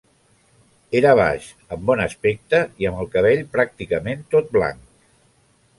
Era baix, amb bon aspecte i amb el cabell pràcticament tot blanc.